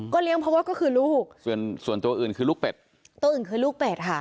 เลี้ยงเพราะว่าก็คือลูกส่วนส่วนตัวอื่นคือลูกเป็ดตัวอื่นคือลูกเป็ดค่ะ